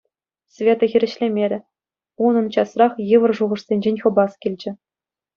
Света хирӗҫлемерӗ. Унӑн часрах йывӑр шухӑшсенчен хӑпас килчӗ.